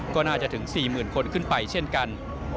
ก็น่าจะถึง๔๐๐๐คนขึ้นไปเช่นกัน